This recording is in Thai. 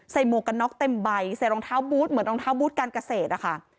หมวกกันน็อกเต็มใบใส่รองเท้าบูธเหมือนรองเท้าบูธการเกษตรอะค่ะ